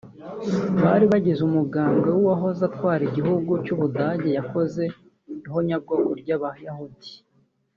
bari bagize umugambwe w'uwahoze atwara igihugu c'Ubudage yakoze ihonyabwoko ry'Abayahudi